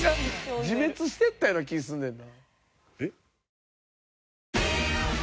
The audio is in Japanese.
「自滅していったような気ぃすんねんな」